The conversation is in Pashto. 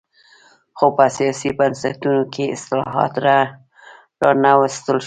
خو په سیاسي بنسټونو کې اصلاحات را نه وستل شول.